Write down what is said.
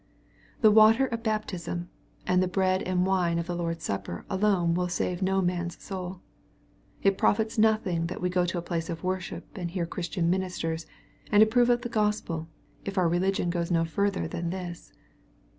The water of baptism, and the bread and wine of the Lord's Supper alone will save no man's soul . It profits nothing that we go to a place of worship and hear Christ's ministers, and approve of the Gospel, if our religion goes no further than this.